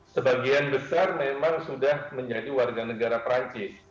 sebagian besar memang sudah menjadi warga negara perancis